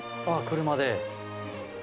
あぁ車で。